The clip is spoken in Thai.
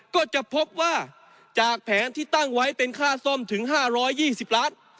ก็จะพบว่าจากแผนที่ตั้งไว้เป็นค่าซ่อมถึง๕๒๐ล้าน